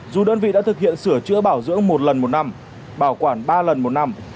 dù đơn vị đã thực hiện sửa chữa bảo dưỡng một lần một năm bảo quản ba lần một năm